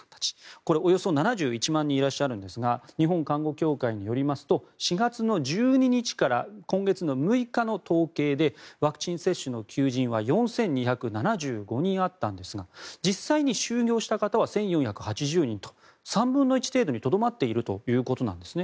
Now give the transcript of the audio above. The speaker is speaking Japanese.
これはおよそ７１万人いらっしゃるんですが日本看護協会によりますと４月１２日から今月６日の統計でワクチン接種の求人は４２７５人あったんですが実際に就業した方は１４８０人と３分の１程度にとどまっているということなんですね。